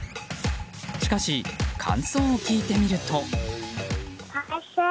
しかし感想を聞いてみると。